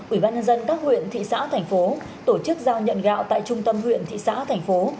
ủy ban nhân dân các huyện thị xã thành phố tổ chức giao nhận gạo tại trung tâm huyện thị xã thành phố